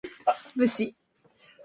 武士